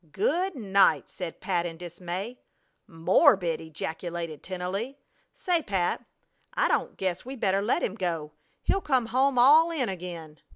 "Good night!" said Pat, in dismay. "Morbid!" ejaculated Tennelly. "Say, Pat, I don't guess we better let him go. He'll come home 'all in' again."